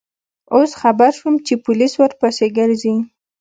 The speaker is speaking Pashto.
اوس خبر شوم چې پولیس ورپسې گرځي.